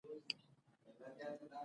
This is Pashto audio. څنګه رېبارۍ ته تيار شوې.